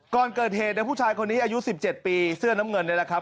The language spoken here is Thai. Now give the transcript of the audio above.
ก่อนเกิดเหตุในผู้ชายคนนี้อายุ๑๗ปีเสื้อน้ำเงินนี่แหละครับ